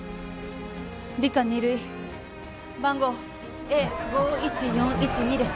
理科２類番号Ａ５１４１２です